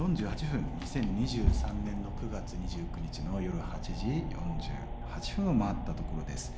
２０２３年の９月２９日の夜８時４８分を回ったところです。